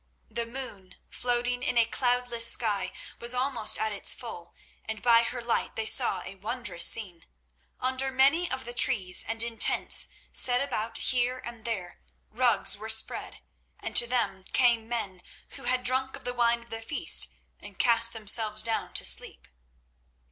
The moon, floating in a cloudless sky, was almost at its full, and by her light they saw a wondrous scene. Under many of the trees and in tents set about here and there, rugs were spread, and to them came men who had drunk of the wine of the feast, and cast themselves down to sleep.